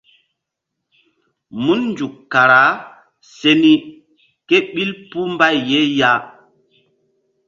Mun nzuk kara se ni ké ɓil puh mbay ye ya.